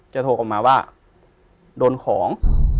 โทรกลับมาว่าโดนของ